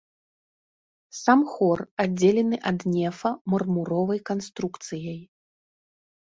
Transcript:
Сам хор аддзелены ад нефа мармуровай канструкцыяй.